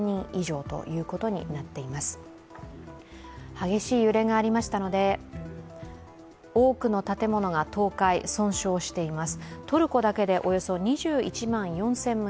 激しい揺れがありましたので多くの建物が倒壊、損傷しています。